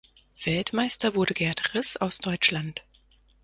Weltmeister wurde Gerd Riss aus Deutschland.